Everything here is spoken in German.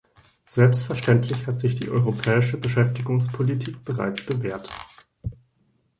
Selbstverständlich hat sich die europäische Beschäftigungspolitik bereits bewährt.